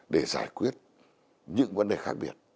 để giải quyết những vấn đề khác biệt